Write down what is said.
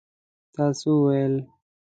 تا څه وویل?